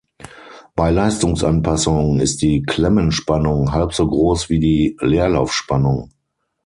Bei Leistungsanpassung ist die Klemmenspannung halb so groß wie die Leerlaufspannung.